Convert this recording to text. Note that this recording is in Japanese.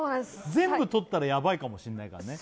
全部取ったらやばいかもしんないからね